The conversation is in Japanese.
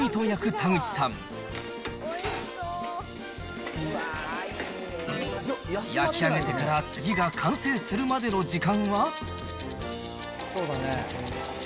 焼き上げてから次が完成するまでの時間は。